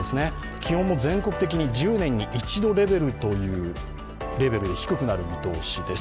気温も全国的に１０年に一度レベルで低くなる見通しです。